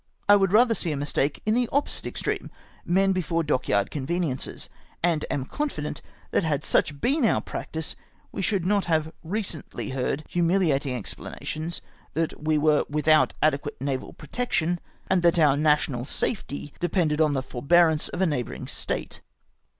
I would rather see a mistake in the opposite extreme — men before dockyard conveniences ; and am confident tliat had such been our practice, we should not have recently heard liumi hating explanations, that we were without adequate naval protection, and that our national, safety depended on the forbearance of a neighbouring state.